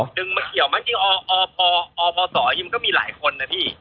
ดึงมาเกี่ยวมั้งจริงออออศยิ่มก็มีหลายคนอะพี่